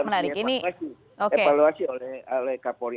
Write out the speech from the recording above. itu juga perlu dievaluasi oleh kapolri